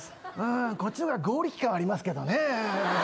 こっちの方が剛力感はありますけどね。